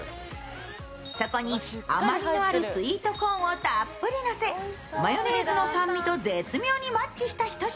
そこに甘みのあるスイートコーンをたっぷり乗せ、マヨネーズの酸味と絶妙にマッチした一品。